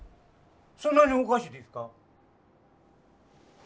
そんなにおかしいですか？